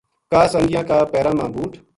کا سنگیاں کا پیراں ما بُوٹ